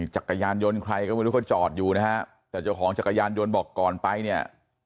จักรยานยนต์ใครก็ไม่รู้เขาจอดอยู่นะฮะแต่เจ้าของจักรยานยนต์บอกก่อนไปเนี่ย